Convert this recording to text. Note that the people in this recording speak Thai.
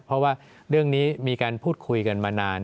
เพราะว่าเรื่องนี้มีการพูดคุยกันมานาน